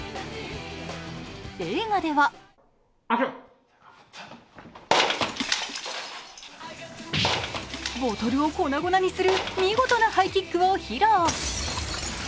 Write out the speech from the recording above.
映画では、ボトルを粉々にする見事なハイキックを披露。